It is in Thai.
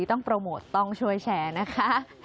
ต้องโปรโมทต้องช่วยแชร์นะคะ